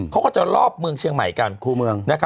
เขาก็จะรอบเมืองเชียงใหม่กัน